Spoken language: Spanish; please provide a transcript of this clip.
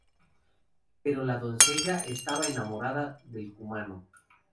Pero la doncella estaba enamorada del cumano.